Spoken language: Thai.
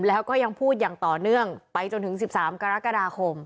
แล้วก็ยังพูดอย่างต่อเนื่องไปจนถึง๑๓กรกฎาคม